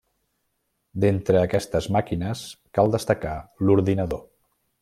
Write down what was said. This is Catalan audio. D'entre aquestes màquines cal destacar l'ordinador.